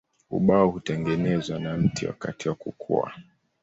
Ubao hutengenezwa na mti wakati wa kukua.